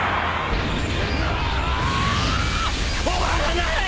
終わらない！